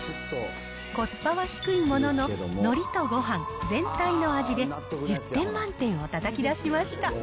コスパは低いものの、のりとごはん全体の味で１０点満点をたたき出しました。